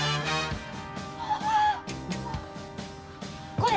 これ！